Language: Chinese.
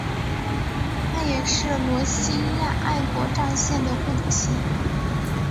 他也是罗兴亚爱国障线的副主席。